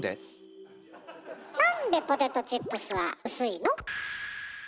なんでポテトチップスは薄いの？